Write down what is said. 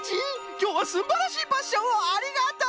きょうはすんばらしいパッションをありがとう！